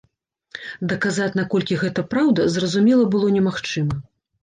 Даказаць, наколькі гэта праўда, зразумела, было немагчыма.